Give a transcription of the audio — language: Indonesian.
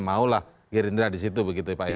maulah gerindra di situ begitu ya pak ya